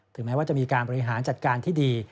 แม้ว่าจะมีการบริหารจัดการที่ดี